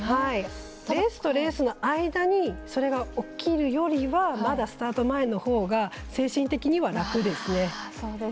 レースとレースの間にそれが起きるよりはまだスタート前のほうが精神的には楽ですね。